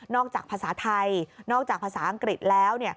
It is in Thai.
จากภาษาไทยนอกจากภาษาอังกฤษแล้ว